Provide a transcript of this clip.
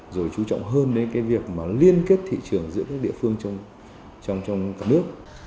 rồi chú trọng hơn đến việc liên kết thị trường giữa các địa phương trong cả nước